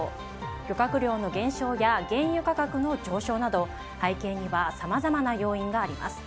漁獲量の減少や原油価格の上昇など背景にはさまざまな要因があります。